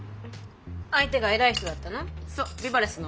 相手が偉い人だったの？